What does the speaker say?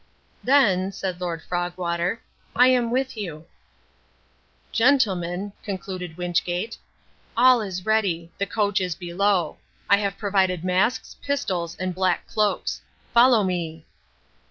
"Then," said Lord Frogwater, "I am with you." "Gentlemen," concluded Wynchgate, "all is ready. The coach is below. I have provided masks, pistols, and black cloaks. Follow me."